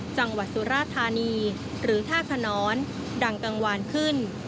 จังหวัดสุราธานีหรือท่าขนอนดังกังวานขึ้น